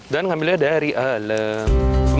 dan ngambilnya dari alem